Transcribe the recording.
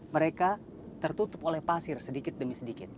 mereka tertutup oleh pasir sedikit demi sedikit